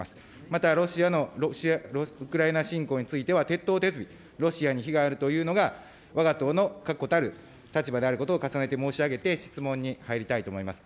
またロシアのウクライナ侵攻については、徹頭徹尾、ロシアに非があるというのが、わが党の確固たる立場であることを重ねて申し上げて、質問に入りたいと思います。